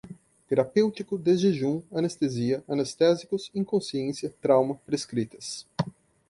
terapêutico, desjejum, anestesia, anestésicos, inconsciência, trauma, prescritas